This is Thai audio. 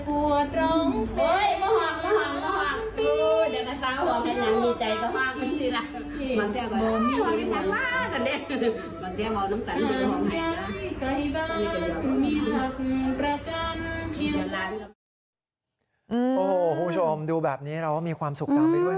โอ้โหคุณผู้ชมดูแบบนี้เราก็มีความสุขตามไปด้วยนะ